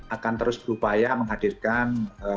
akan terus berupaya menghadirkan